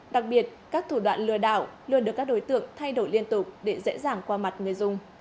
đặc biệt các thủ đoạn lừa đảo luôn được các đối tượng thay đổi liên tục để dễ dàng qua mặt người dùng